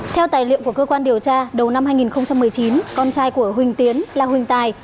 theo tài liệu của cơ quan điều tra đầu năm hai nghìn một mươi chín con trai của huỳnh tiến là huỳnh tài